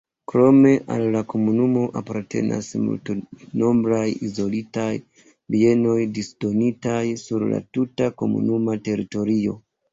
Krome al la komunumo apartenas multnombraj izolitaj bienoj disdonitaj sur la tuta komunuma teritorio.